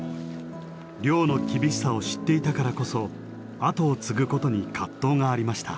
漁の厳しさを知っていたからこそ後を継ぐことに葛藤がありました。